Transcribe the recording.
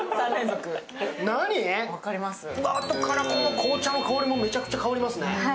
あとから紅茶の香りもめちゃくちゃ香りますね。